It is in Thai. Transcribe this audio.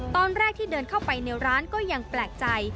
ตอนแรกที่เดินเข้าไปในร้านก็ยังแปลกใจ